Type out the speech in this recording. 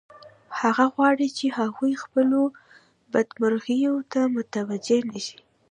هغه غواړي چې هغوی خپلو بدمرغیو ته متوجه نشي